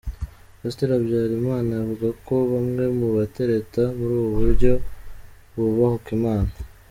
Pasiteri Habyarimana avuga ko bamwe mu batereta muri ubu buryo, bubahuka Imana.